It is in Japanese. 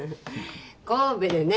神戸でね。